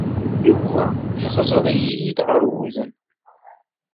Yuba yexzer-iyi-d ɣer wudem.